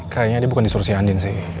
kayaknya dia bukan disuruh si adin sih